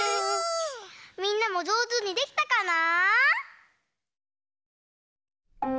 みんなもじょうずにできたかな？